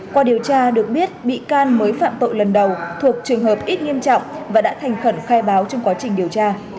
qua điều tra được biết bị can mới phạm tội lần đầu thuộc trường hợp ít nghiêm trọng và đã thành khẩn khai báo trong quá trình điều tra